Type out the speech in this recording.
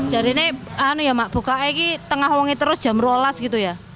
jadi ini mak buka ini tengah wangi terus jam dua belas gitu ya